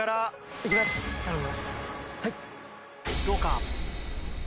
どうか！？